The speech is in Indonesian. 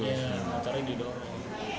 ya motornya didorong